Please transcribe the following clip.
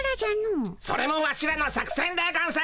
それもワシらの作せんでゴンス。